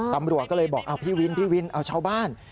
ตำรวจก็เลยบอกเอาพี่วินพี่วินเอาชาวบ้าน